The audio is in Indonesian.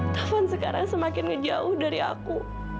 taufan sekarang semakin jauh dari aku